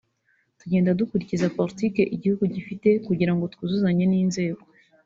tugenda dukurikiza politike igihugu gifite kugira ngo twuzuzanye n’inzego”